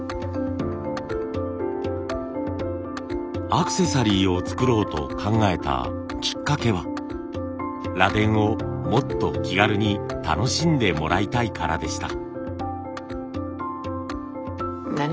アクセサリーを作ろうと考えたきっかけは螺鈿をもっと気軽に楽しんでもらいたいからでした。